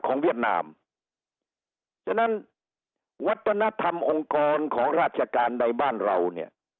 เวียดนามฉะนั้นวัฒนธรรมองค์กรของราชการใดบ้านเราเนี่ย